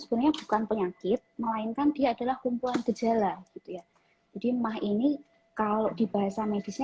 sebenarnya bukan penyakit melainkan dia adalah kumpulan gejala gitu ya jadi mah ini kalau di bahasa medisnya